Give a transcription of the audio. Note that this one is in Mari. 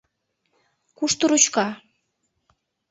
Кушто ручка?